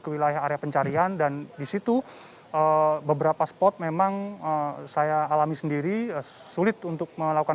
ke wilayah area pencarian dan disitu beberapa spot memang saya alami sendiri sulit untuk melakukan